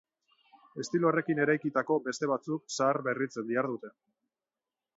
Estilo horrekin eraikitako beste batzuk zaharberritzen dihardute.